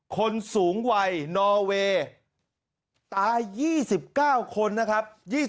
คนสูงวัยนอเวย์ตาย๒๙คนนะครับ